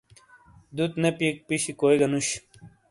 دُت نے پییک پِیشی کوئی گہ نوش ۔